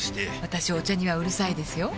私お茶にはうるさいですよ